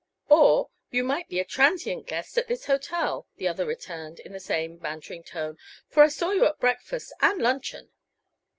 "Or you might be a transient guest at this hotel," the other returned, in the same bantering tone, "for I saw you at breakfast and luncheon.